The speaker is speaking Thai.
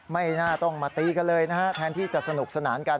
ไม่น่าต้องมาตีกันเลยนะฮะแทนที่จะสนุกสนานกัน